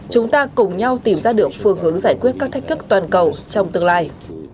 chúng ta cùng nhau tìm ra được phương hướng giải quyết các thách thức toàn cầu trong tương lai